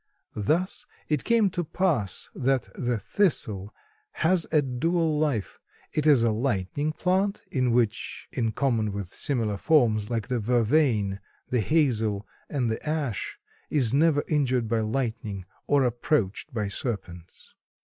Thus it came to pass that the Thistle has a dual life. It is a lightning plant, in which, in common with similar forms, like the vervain, the hazel, and the ash is never injured by lightning or approached by serpents.